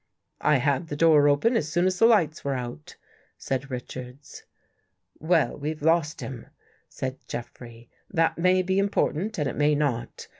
" I had the door open as soon as the lights were out," said Richards. " Well, we've lost him," said Jeffrey. " That may be important, and it may not.